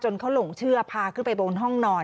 จนเขาหลงเชื้อพาขึ้นไปโบงรองห้องนอน